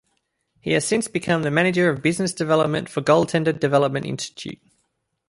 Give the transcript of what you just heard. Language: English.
He has since become the manager of business development for Goaltender Development Institute.